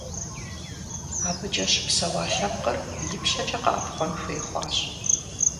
АбыкӀэ щыпсэуа лъэпкъыр ипщэкӀэ къэӀэпхъуэн хуей хъуащ.